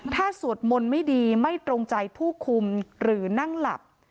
ถ้าสวดมนต์ไม่ดีไม่ตรงใจผู้คุมหรือนั่งหลับ